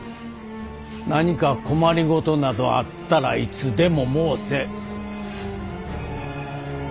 何か困りごとなどあったらいつでも申せ！